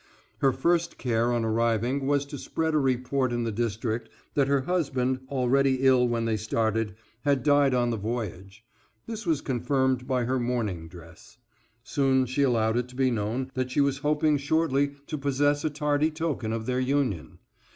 Her first care on arriving was to spread a report in the district that her husband, already ill when they started, had died on the voyage; this was confirmed by her mourning dress. Soon she allowed it to be known that she was hoping shortly to possess a tardy token of their union.